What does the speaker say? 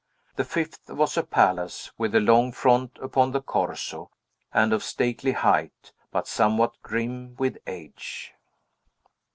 The fifth was a palace, with a long front upon the Corso, and of stately height, but somewhat grim with age.